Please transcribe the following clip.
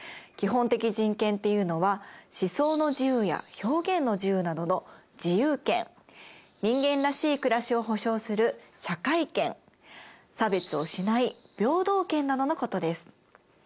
基本的人権っていうのは思想の自由や表現の自由などの「自由権」人間らしい暮らしを保障する「社会権」差別をしない「平等権」などのことです。